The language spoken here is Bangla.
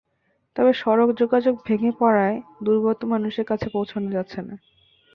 তবে সড়ক যোগাযোগ ভেঙে পড়ায় দুর্গত মানুষের কাছে পৌঁছানো যাচ্ছে না।